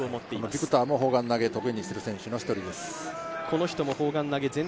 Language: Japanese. ビクターも砲丸投を特にしている選手の一人です。